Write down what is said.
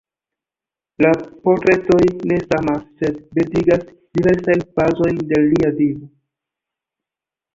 La portretoj ne samas, sed bildigas diversajn fazojn de lia vivo.